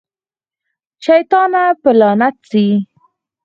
شيطانه په نالت شې.